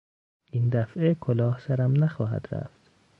این دفعه کلاه سرم نخواهد رفت.